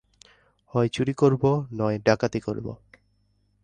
হয় চুরি করব নয় ডাকাতি করব।